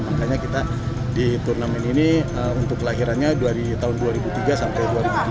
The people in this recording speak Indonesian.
makanya kita di turnamen ini untuk kelahirannya dari tahun dua ribu tiga sampai dua ribu lima